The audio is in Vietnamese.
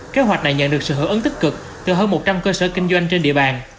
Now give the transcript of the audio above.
kế hoạch này nhận được sự hưởng ứng tích cực từ hơn một trăm linh cơ sở kinh doanh trên địa bàn